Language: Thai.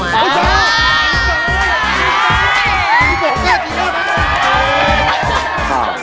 พี่ป๋องกล้าดกี่เท่านั้น